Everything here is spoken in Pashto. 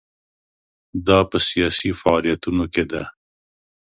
دا په سیاسي فعالیتونو کې ده.